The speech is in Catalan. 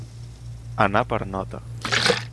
Anar per nota.